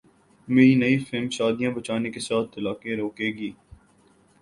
میری نئی فلم شادیاں بچانے کے ساتھ طلاقیں روکے گی